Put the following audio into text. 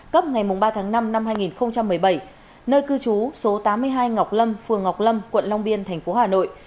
cấp ngày ba tháng năm năm hai nghìn một mươi bảy nơi cư trú số tám mươi hai ngọc lâm phường ngọc lâm quận long biên thành phố hà nội